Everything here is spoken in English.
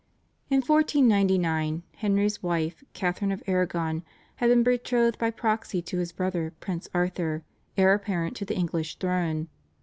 In 1499 Henry's wife, Catharine of Aragon, had been betrothed by proxy to his brother Prince Arthur, heir apparent to the English throne.